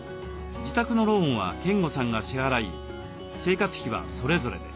自宅のローンは健吾さんが支払い生活費はそれぞれで。